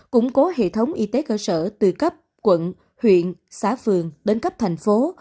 củng cố hệ thống y tế cơ sở từ cấp quận huyện xã phường đến cấp thành phố